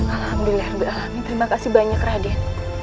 alhamdulillah terima kasih banyak raden